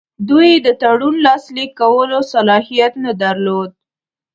دوی د تړون لاسلیک کولو صلاحیت نه درلود.